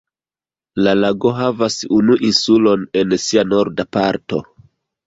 La lago havas unu insulon en sia norda parto.